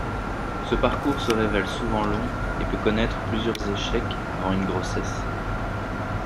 Ce parcours se révèle souvent long et peut connaître plusieurs échecs avant une grossesse.